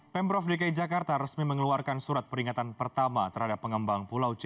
pemprov dki jakarta resmi mengeluarkan surat peringatan pertama terhadap pengembang pulau c